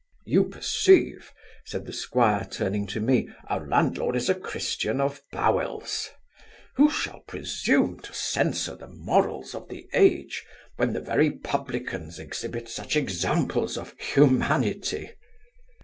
'You perceive (said the 'squire, turning to me) our landlord is a Christian of bowels Who shall presume to censure the morals of the age, when the very publicans exhibit such examples of humanity?